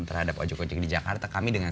terhadap ojek ojek di jakarta kami dengan